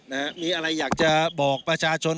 นะฮะมีอะไรอยากจะบอกประชาชน